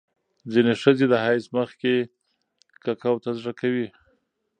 ځینې ښځې د حیض مخکې ککو ته زړه کوي.